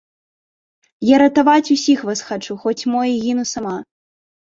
Я ратаваць усіх вас хачу, хоць мо і гіну сама.